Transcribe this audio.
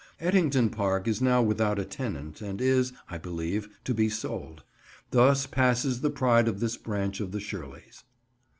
Ettington Park is now without a tenant and is, I believe, to be sold. Thus passes the pride of this branch of the Shirleys.